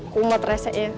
kumat resek ya